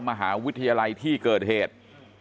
มหาวิทยาลัยที่เกิดเหตุ